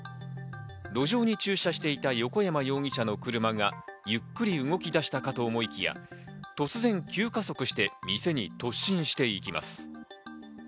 路上に駐車していた横山容疑者の車がゆっくり動き出したかと思いきや、突然急加速して店に突進していきます。